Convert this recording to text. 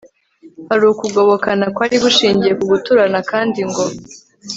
hari ukugobokana kwari gushingiye ku guturana kandi ngo